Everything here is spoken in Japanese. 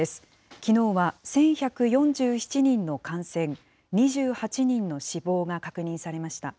きのうは１１４７人の感染、２８人の死亡が確認されました。